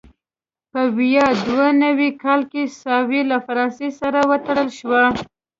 په ویا دوه نوي کال کې ساوې له فرانسې سره وتړل شوه.